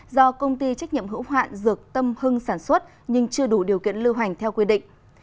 do công ty trách nhiệm hữu hoạn dược tâm hưng sản xuất nhưng chưa đủ điều kiện lưu hành theo quy định